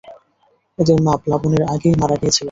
এদের মা প্লাবনের আগেই মারা গিয়েছিল।